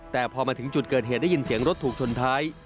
แต่พอมาถึงจุดเกิดเหตุได้ยินเสียงรถถูกชนท้าย